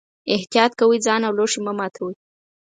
احتیاط کوئ، ځان او لوښي مه ماتوئ.